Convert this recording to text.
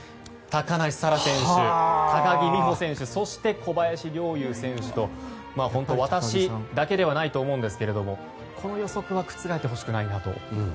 高梨沙羅選手、高木美帆選手そして、小林陵侑選手と本当に私だけではないと思いますがこの予測は覆ってほしくないなと。